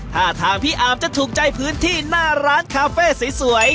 ท่าทางพี่อาร์มจะถูกใจพื้นที่หน้าร้านคาเฟ่สวย